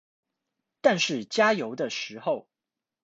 但是加油的時候